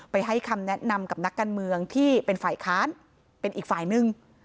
ให้คำแนะนำกับนักการเมืองที่เป็นฝ่ายค้านเป็นอีกฝ่ายหนึ่ง